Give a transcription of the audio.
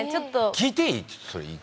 聞いていい？